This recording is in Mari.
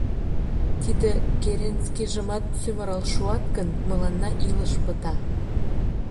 — Тиде Керенскийжымат сӱмырал шуат гын, мыланна илыш пыта.